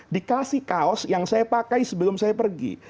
dikasih kaos yang saya pakai sebelum saya pergi